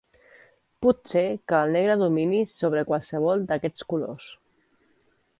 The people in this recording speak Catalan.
Pot ser que el negre domini sobre qualsevol d'aquests colors.